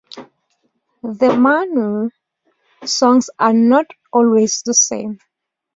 The Manaw songs are not always the same.